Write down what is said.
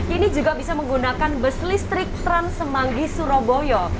ini juga bisa menggunakan bus listrik trans semanggi surabaya